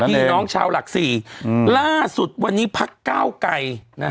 พี่น้องชาวหลักสี่ล่าสุดวันนี้พักเก้าไกร